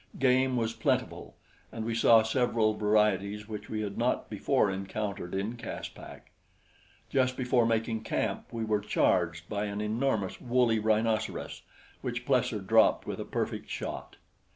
Game was plentiful and we saw several varieties which we had not before encountered in Caspak. Just before making camp we were charged by an enormous woolly rhinoceros, which Plesser dropped with a perfect shot.